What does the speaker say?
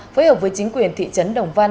phối hợp với chính quyền thị trấn đồng văn